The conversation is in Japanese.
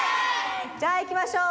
じゃあいきましょう。